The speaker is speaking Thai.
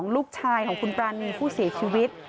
ลูกชายของคุณปรานีผู้เสียชีวิต